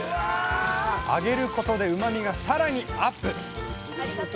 揚げることでうまみが更にアップ。